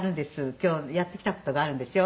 今日やってきた事があるんですよ。